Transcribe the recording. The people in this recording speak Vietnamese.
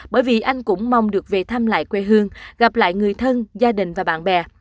bởi vì anh cũng mong được về thăm lại quê hương gặp lại người thân gia đình và bạn bè